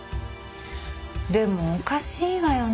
でもおかしいわよね。